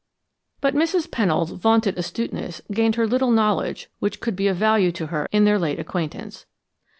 But Mrs. Pennold's vaunted astuteness gained her little knowledge which could be of value to her in their late acquaintance.